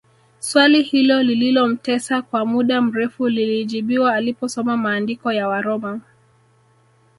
Swali hilo lililomtesa kwa muda mrefu lilijibiwa aliposoma maandiko ya Waroma